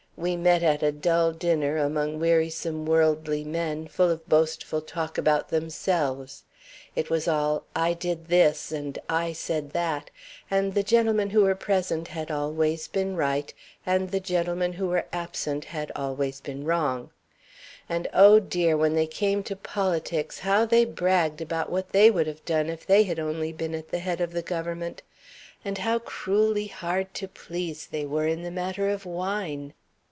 We met at a dull dinner, among wearisome worldly men, full of boastful talk about themselves. It was all 'I did this,' and 'I said that' and the gentlemen who were present had always been right; and the gentlemen who were absent had always been wrong. And, oh, dear, when they came to politics, how they bragged about what they would have done if they had only been at the head of the Government; and how cruelly hard to please they were in the matter of wine!